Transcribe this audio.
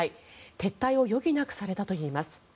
撤退を余儀なくされたといいます。